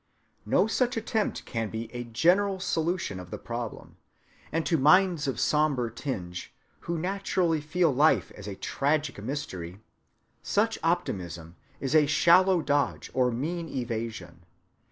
No such attempt can be a general solution of the problem; and to minds of sombre tinge, who naturally feel life as a tragic mystery, such optimism is a shallow dodge or mean evasion.